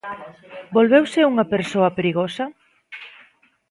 ¿Volveuse unha persoa perigosa?